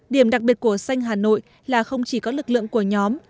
điểm đặc biệt của xanh hà nội là không chỉ có lực lượng của nhóm